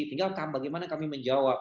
tinggal bagaimana kami menjawab